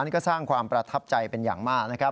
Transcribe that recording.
นี่ก็สร้างความประทับใจเป็นอย่างมากนะครับ